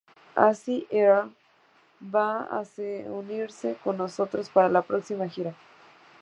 Así Earl va a ser unirse a nosotros para la próxima gira.